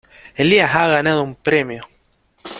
¡Elías ha ganado un premio!